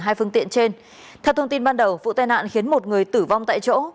hai phương tiện trên theo thông tin ban đầu vụ tai nạn khiến một người tử vong tại chỗ